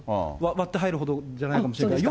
割って入るほどじゃないかもしれないけど。